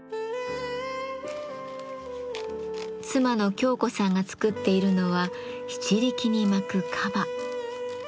妻の京子さんが作っているのは篳篥に巻く樺。